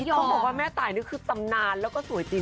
ต้องบอกว่าแม่ตายนี่คือตำนานแล้วก็สวยจริง